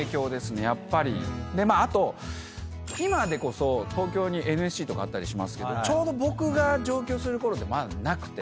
あと今でこそ東京にＮＳＣとかあったりしますけどちょうど僕が上京するころってまだなくて。